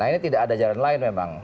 nah ini tidak ada jalan lain memang